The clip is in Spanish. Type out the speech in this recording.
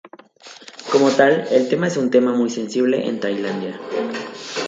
Como tal, el tema es un tema muy sensible en Tailandia.